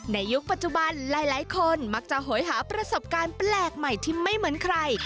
ยุคปัจจุบันหลายคนมักจะโหยหาประสบการณ์แปลกใหม่ที่ไม่เหมือนใคร